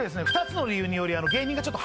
２つの理由により嘘や！